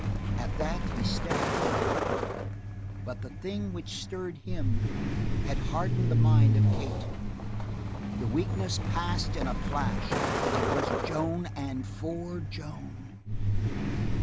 At that he stepped forward, but the thing which stirred him, had hardened the mind of Kate. The weakness passed in a flash. It was Joan, and for Joan!